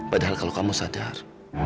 padahal kalau kamu sadar